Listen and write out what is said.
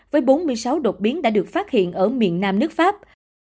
với bốn mươi sáu đột biến đã được phát hiện ở miền nam nước pháp